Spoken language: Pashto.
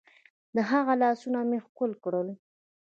د هغه لاسونه مې ښکل کړل.